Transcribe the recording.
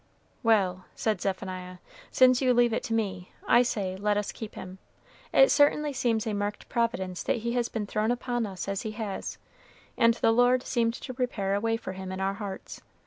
"Well," said Zephaniah, "since you leave it to me, I say, let us keep him. It certainly seems a marked providence that he has been thrown upon us as he has, and the Lord seemed to prepare a way for him in our hearts.